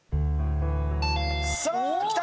さあきた。